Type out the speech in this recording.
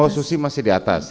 susi masih diatas